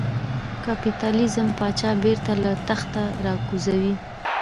کاپیتالېزم پاچا بېرته له تخته را کوزوي.